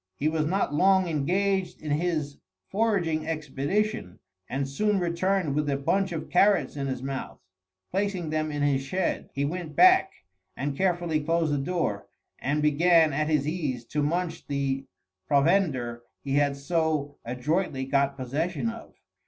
He was not long engaged in his foraging expedition, and soon returned with a bunch of carrots in his mouth. Placing them in his shed, he went back and carefully closed the door and began at his ease to munch the provender he had so adroitly got possession of.